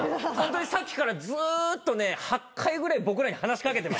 さっきからずっとね８回ぐらい僕らに話し掛けてます。